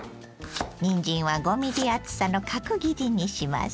にんじんは５ｍｍ厚さの角切りにします。